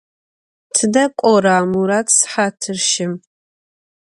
Tıde k'ora Murat sıhatır şım?